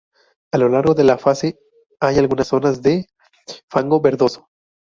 A lo largo de la fase, hay algunas zonas de fango verdoso.